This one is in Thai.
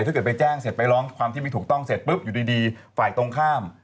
ถ้าเกิดไปแจ้งเสร็จไปร้องความที่ไม่ถูกต้องเสร็จปุ๊บอยู่ดีฝ่ายตรงข้าม